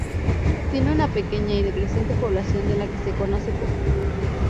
Tiene una pequeña y decreciente población de la que se conoce poco.